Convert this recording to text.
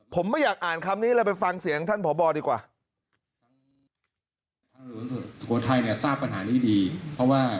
ผมไม่อยากอ่านคำนี้เลยไปฟังเสียงท่านพบดีกว่า